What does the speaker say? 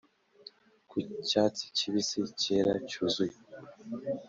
ku cyatsi kibisi, cyera cyuzuye